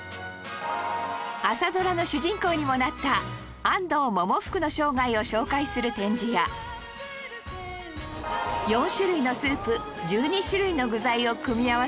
朝ドラの主人公にもなった安藤百福の生涯を紹介する展示や４種類のスープ１２種類の具材を組み合わせ